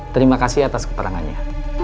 terima kasih atas keterangannya